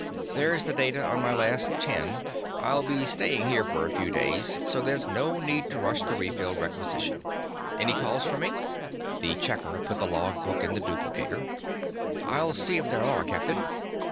"There's the data on my last ten. I'll be staying here for a few days, so there's no need to rush the refill requisition. Any calls for me?" The checker put the log book in the duplicator. "I'll see if there are, captain."